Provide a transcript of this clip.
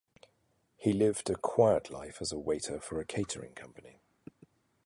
He lived a quiet life as a waiter for a catering company.